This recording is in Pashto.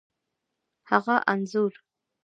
هغه انځور،